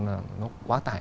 nó quá tải